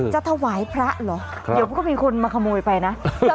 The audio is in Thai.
จะถวายพระหรอรกก็มีคนมาขโมยไปนะ